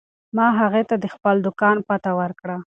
ما هغې ته د خپل دوکان پته ورکړه.